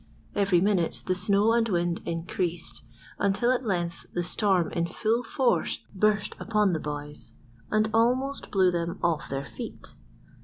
Every minute the snow and wind increased, until at length the storm in full force burst upon the boys and almost blew them off their feet.